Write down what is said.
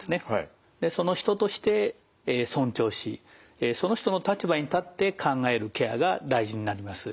人として尊重しその人の立場に立って考えるケアが大事になります。